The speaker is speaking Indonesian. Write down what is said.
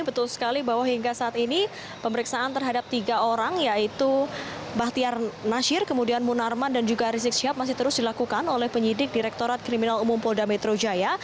betul sekali bahwa hingga saat ini pemeriksaan terhadap tiga orang yaitu bahtiar nasir kemudian munarman dan juga rizik syihab masih terus dilakukan oleh penyidik direktorat kriminal umum polda metro jaya